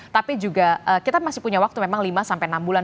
tapi juga kita masih punya waktu memang lima sampai enam bulan